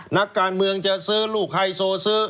นักการเมืองจะซื้อลูกไฮโซซื้อ